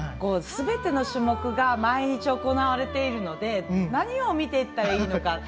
すべての種目が毎日行われているので何を見ていったらいいのか。